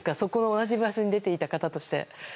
同じ場所に出ていた方として。